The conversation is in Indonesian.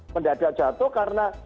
mendadak jatuh karena